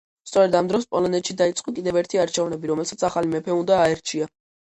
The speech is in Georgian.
სწორედ ამ დროს პოლონეთში დაიწყო კიდევ ერთი არჩევნები, რომელსაც ახალი მეფე უნდა აერჩია.